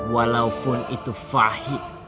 walaupun itu fahib